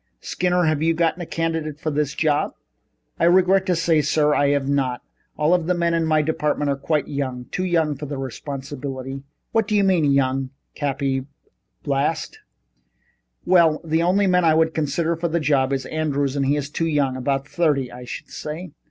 Skinner, have you got a candidate for this job?" "I regret to say, sir, I have not. All of the men in my department are quite young too young for the responsibility." "What do you mean young?" Cappy blazed. "Well, the only man I would consider for the job is Andrews and he is too young about thirty, I should say."